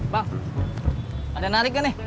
bang ada narik kan nih